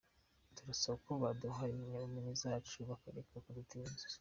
Turasaba ko baduha impamyabumenyi zacu bakareka kudutinza”.